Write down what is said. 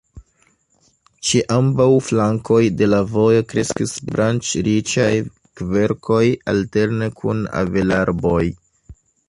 Ĉe ambaŭ flankoj de la vojo kreskis branĉriĉaj kverkoj alterne kun avelarboj.